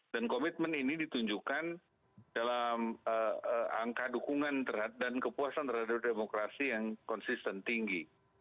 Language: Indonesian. dan komitmen ini ditunjukkan dalam angka dukungan dan kepuasan terhadap demokrasi yang konsisten tinggi